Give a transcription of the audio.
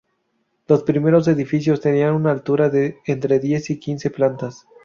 Los primeros edificios tenían una altura de entre diez y quince plantas.